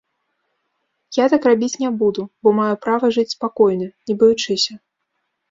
Я так рабіць не буду, бо маю права жыць спакойна, не баючыся.